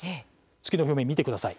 月の表面見てください。